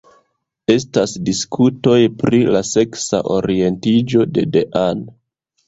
Estas diskutoj pri la seksa orientiĝo de Dean.